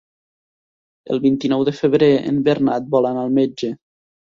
El vint-i-nou de febrer en Bernat vol anar al metge.